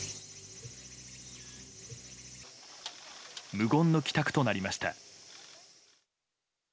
無言の帰宅となりました。